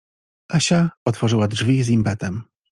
Asia otworzyła drzwi z impetem.